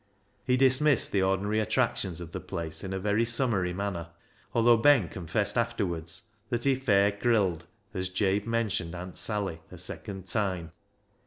He dismissed the ordinary attractions of the place in a very summary manner, although Ben confessed afterwards that he " fair crilled " as Jabe mentioned "Aunt Sally" a second time.